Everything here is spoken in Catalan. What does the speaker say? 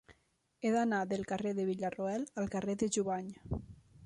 He d'anar del carrer de Villarroel al carrer de Jubany.